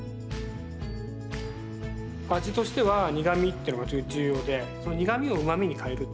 味としては苦みというのが重要でその苦みをうまみに変える。